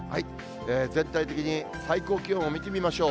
全体的に最高気温を見てみましょう。